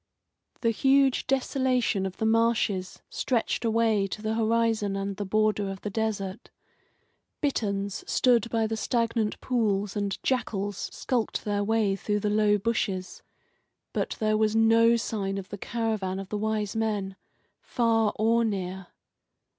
The huge desolation of the marshes stretched away to the horizon and the border of the desert. Bitterns stood by the stagnant pools and jackals skulked through the low bushes; but there was no sign of the caravan of the Wise Men, far or near.